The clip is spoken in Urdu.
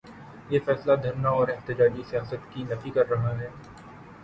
یہ فیصلہ دھرنا اور احتجاجی سیاست کی نفی کر رہا ہے۔